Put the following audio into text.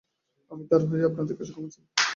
আমি তার হয়ে আপনাদের কাছে ক্ষমা চাই।